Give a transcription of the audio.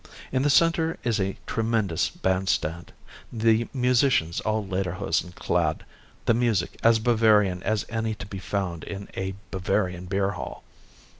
In the center is a tremendous bandstand, the musicians all lederhosen clad, the music as Bavarian as any to be found in a Bavarian beer hall.